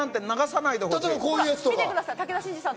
例えばこういうやつとか。